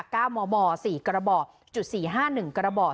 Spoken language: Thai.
เก้ามมสี่กระบอกจุดสี่ห้าหนึ่งกระบอก